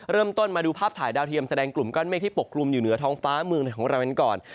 มาดูภาพถ่ายดาวเทียมแสดงกลุ่มก้อนเมฆที่ปกคลุมอยู่เหนือท้องฟ้าเมืองของเรากันก่อน